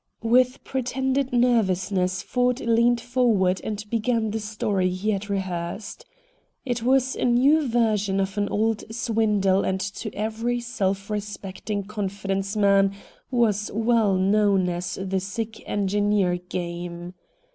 With pretended nervousness Ford leaned forward and began the story he had rehearsed. It was a new version of an old swindle and to every self respecting confidence man was well known as the "sick engineer" game.